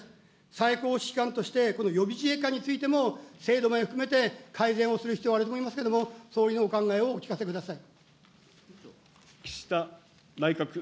最高指揮官として、この予備自衛官についても、制度を含めて改善をする必要があると思いますけれども、総理のお考えをお聞かせください。